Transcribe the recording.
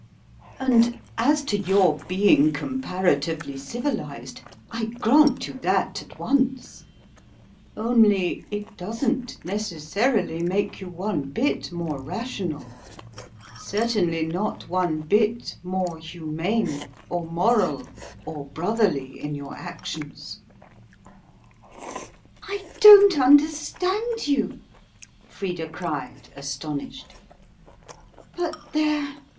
And as to your being comparatively civilised, I grant you that at once; only it doesn't necessarily make you one bit more rational certainly not one bit more humane, or moral, or brotherly in your actions." "I don't understand you," Frida cried, astonished. "But there!